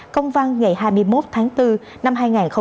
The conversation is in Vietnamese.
công văn ngày hai mươi một tháng bốn năm hai nghìn hai mươi